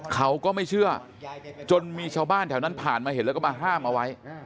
เขาก็ไม่เชื่อจนมีชาวบ้านแถวนั้นผ่านมาเห็นแล้วก็มาห้ามเอาไว้